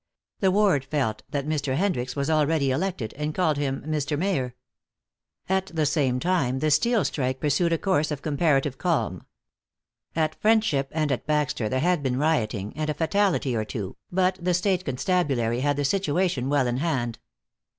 The ward felt that Mr. Hendricks was already elected, and called him "Mr. Mayor." At the same time the steel strike pursued a course of comparative calm. At Friendship and at Baxter there had been rioting, and a fatality or two, but the state constabulary had the situation well in hand.